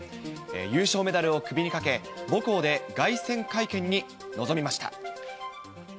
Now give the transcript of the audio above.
優勝メダルを首にかけ、母校で凱旋会見に臨みました。